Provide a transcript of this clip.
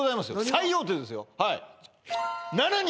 最大手でですよ